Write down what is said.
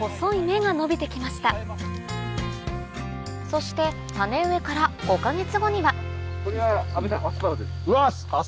そして種植えから５か月後にはうわっ！